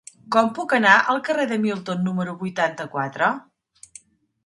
Com puc anar al carrer de Milton número vuitanta-quatre?